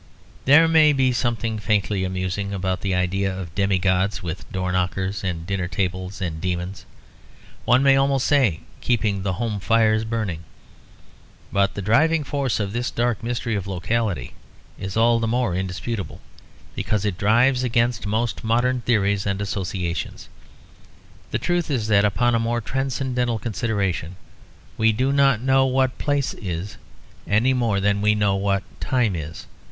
There may be something faintly amusing about the idea of demi gods with door knockers and dinner tables, and demons, one may almost say, keeping the home fires burning. But the driving force of this dark mystery of locality is all the more indisputable because it drives against most modern theories and associations. The truth is that, upon a more transcendental consideration, we do not know what place is any more than we know what time is.